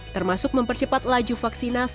termasuk mempercepat laju vaksina